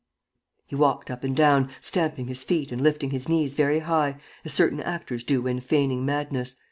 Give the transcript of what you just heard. He walked up and down, stamping his feet and lifting his knees very high, as certain actors do when feigning madness.